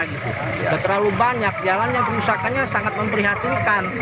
tidak terlalu banyak jalan yang rusakannya sangat memperhatikan